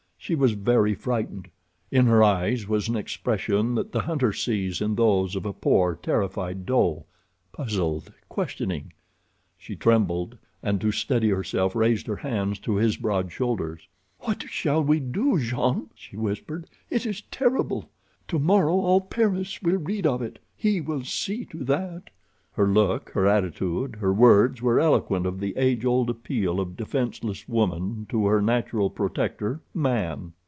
She was very frightened. In her eyes was an expression that the hunter sees in those of a poor, terrified doe—puzzled—questioning. She trembled, and to steady herself raised her hands to his broad shoulders. "What shall we do, Jean?" she whispered. "It is terrible. Tomorrow all Paris will read of it—he will see to that." Her look, her attitude, her words were eloquent of the age old appeal of defenseless woman to her natural protector—man.